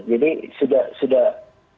jadi sudah sudah